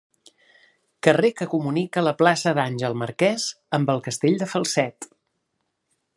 Carrer que comunica la plaça d'Àngel Marquès amb el castell de Falset.